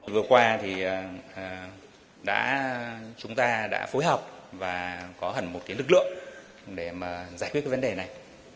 vừa qua thì chúng ta đã phối hợp và có hẳn một cái lực lượng để mà giải quyết cái vấn đề này